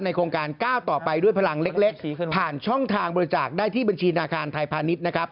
โครงการก้าวต่อไปด้วยพลังเล็กผ่านช่องทางบริจาคได้ที่บัญชีธนาคารไทยพาณิชย์นะครับ